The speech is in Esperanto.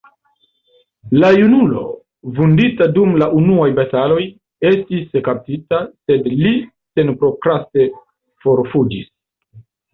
La junulo, vundita dum la unuaj bataloj, estis kaptita, sed li senprokraste forfuĝis.